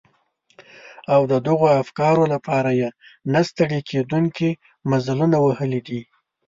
او د دغو افکارو لپاره يې نه ستړي کېدونکي مزلونه وهلي دي.